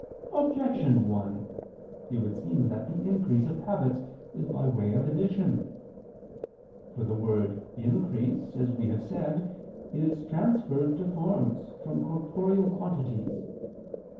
Objection 1: It would seem that the increase of habits is by way of addition. For the word "increase," as we have said, is transferred to forms, from corporeal quantities.